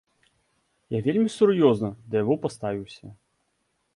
Я вельмі сур'ёзна да яго паставіўся.